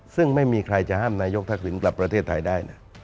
ซึ่งไม่มีใครจะห้ามนายกทักษิณกลับประเทศไทยได้นะ